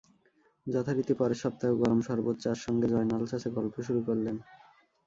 যথারীতি পরের সপ্তাহেও গরম শরবত চার সঙ্গে জয়নাল চাচা গল্প শুরু করেন।